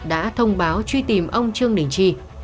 đã thông báo truy tìm ông trương đình chi